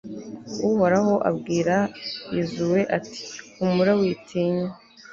uhoraho abwira yozuwe ati humura witinya